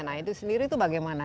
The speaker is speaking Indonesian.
nah itu sendiri itu bagaimana